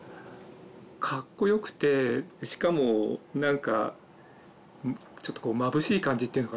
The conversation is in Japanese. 格好良くてしかもなんかちょっとこうまぶしい感じっていうのかな。